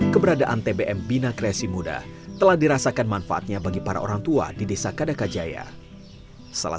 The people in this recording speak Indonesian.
keberadaan tbm bina kreasi muda telah dirasakan manfaatnya bagi para orang tua di desa kadakajaya salah